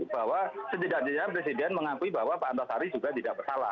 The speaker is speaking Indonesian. bahwa setidaknya presiden mengakui bahwa pak antasari juga tidak bersalah